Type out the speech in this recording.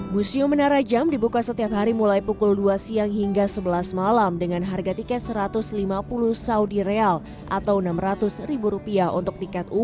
museum menara jam dibuka setiap hari mulai pukul dua siang hingga sebelas malam dengan harga tiket rp satu ratus lima puluh saudi real atau rp enam ratus untuk tiket umum